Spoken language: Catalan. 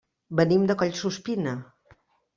Venim de Collsuspina.